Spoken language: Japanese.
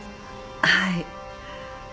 はい。